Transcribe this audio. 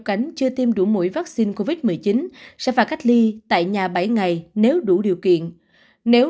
cánh chưa tiêm đủ mũi vaccine covid một mươi chín sẽ phải cách ly tại nhà bảy ngày nếu đủ điều kiện nếu